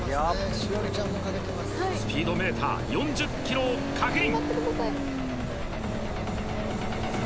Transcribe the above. スピードメーター４０キロを確認